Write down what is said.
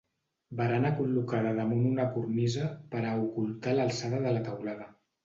Barana col·locada damunt una cornisa per a ocultar l'alçada de la teulada.